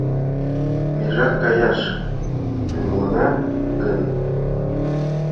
Межат каяш тӱҥалына гын